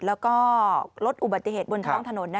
แล้วก็ลดอุบัติเหตุบนท้องถนน